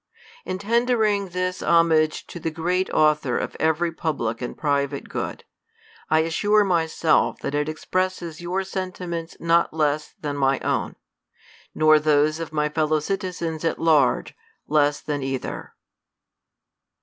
In tendering this homage to the great Author of every public and private good, 1 as sure myself that it expresses your sentiments not less than my own ; nor those of my fellow citizens at large, less than either.* No 36 THE COLUMBIAN ORATOR.